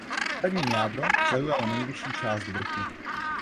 Hradní jádro zaujalo nejvyšší část vrchu.